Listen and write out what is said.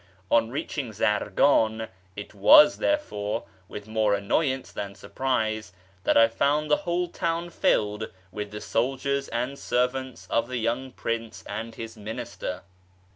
On reaching Zargan it was, therefore, with more annoyance than surprise that I found the whole town filled with the soldiers and servants of the young prince and his minister.